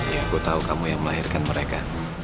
ya aku tahu kamu yang melahirkan mereka